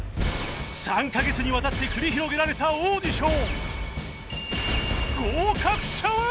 ３カ月にわたって繰り広げられたオーディション